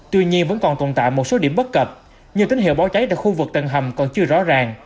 tuy nhiên vẫn còn tồn tại một số điểm bất cập như tín hiệu báo cháy tại khu vực tầng hầm còn chưa rõ ràng